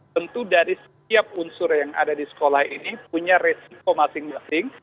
tentu dari setiap unsur yang ada di sekolah ini punya resiko masing masing